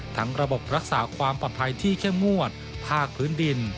ระบบรักษาความปลอดภัยที่เข้มงวดภาคพื้นดิน